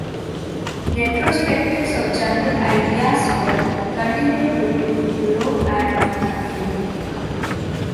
Retrospectives of General Idea's work continue to tour Europe and North America.